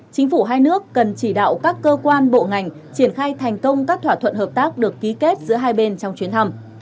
chính phủ hai nước cần chỉ đạo các cơ quan bộ ngành triển khai thành công các thỏa thuận hợp tác được ký kết giữa hai bên trong chuyến thăm